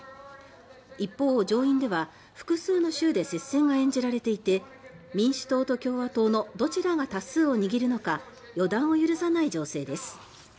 一方、上院では複数の州で接戦が演じられていて民主党と共和党のどちらが多数を握るのか予断を許さない情勢です。